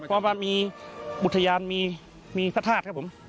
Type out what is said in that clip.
เพราะว่ามีอุทยานมีพระธาตุครับผม